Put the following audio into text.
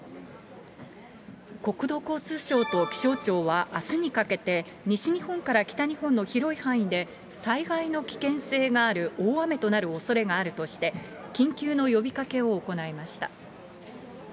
国土交通省と気象庁は、あすにかけて西日本から北日本の広い範囲で、災害の危険性がある大雨となるおそれがあるとして、緊急の呼びかけを行いました。